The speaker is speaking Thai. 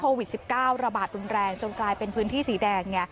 โควิด๑๙ระบาดรุนแรงจนกลายเป็นพื้นที่สีแดง